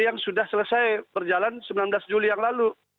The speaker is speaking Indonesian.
yang sudah selesai berjalan sembilan belas juli yang lalu